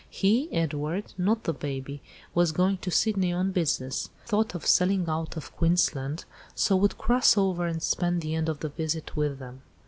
He, Edward, not the baby, was going to Sydney on business; thought of selling out of Queensland, so would cross over and spend the end of the visit with them.